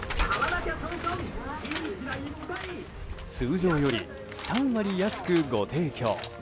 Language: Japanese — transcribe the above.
通常より３割安く、ご提供。